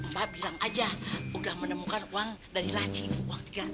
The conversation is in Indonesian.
sampai jumpa di video selanjutnya